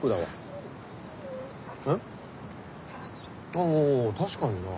あぁ確かにな。